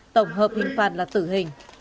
tổng hợp hình phạt là tử hình